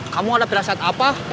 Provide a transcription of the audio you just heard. kamu ada perasaan apa